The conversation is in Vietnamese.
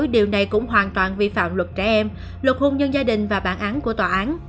điều này cũng hoàn toàn vi phạm luật trẻ em luật hôn nhân gia đình và bản án của tòa án